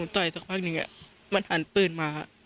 ต่อยสักพักหนึ่งมันหันปืนมา